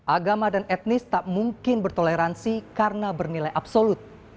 agama dan etnis tak mungkin bertoleransi karena bernilai absolut